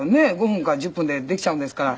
５分か１０分でできちゃうんですから。